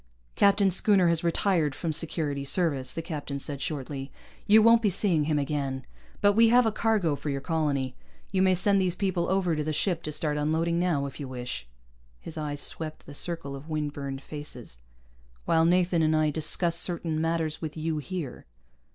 "Captain Schooner has retired from Security Service," the captain said shortly. "You won't be seeing him again. But we have a cargo for your colony. You may send these people over to the ship to start unloading now, if you wish " his eye swept the circle of windburned faces "while Nathan and I discuss certain matters with you here."